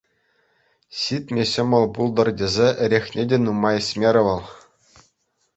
Ҫитме ҫӑмӑл пултӑр тесе эрехне те нумай ӗҫмерӗ вӑл.